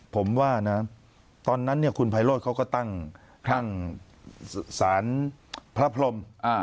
ผมว่านะตอนนั้นคุณไพโรธเขาก็ตั้งสารพระพรม